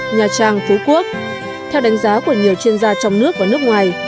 nhà trang phú quốc theo đánh giá của nhiều chuyên gia trong nước và nước ngoài